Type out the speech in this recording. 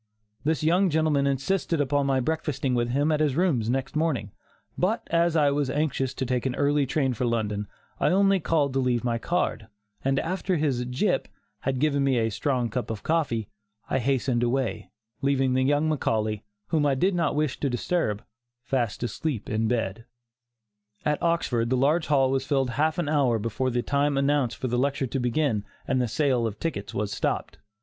This young gentleman insisted upon my breakfasting with him at his rooms next morning, but as I was anxious to take an early train for London, I only called to leave my card, and after his "gyp" had given me a strong cup of coffee, I hastened away, leaving the young Macaulay, whom I did not wish to disturb, fast asleep in bed. At Oxford the large hall was filled half an hour before the time announced for the lecture to begin and the sale of tickets was stopped.